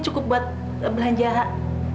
cukup buat belanja